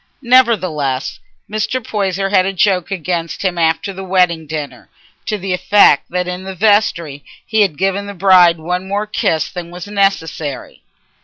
Nevertheless, Mr. Poyser had a joke against him after the wedding dinner, to the effect that in the vestry he had given the bride one more kiss than was necessary.